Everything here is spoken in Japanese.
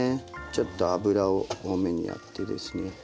ちょっと油を多めにやってですね。